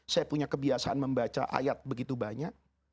saya punya kebiasaan membaca ayat begitu banyak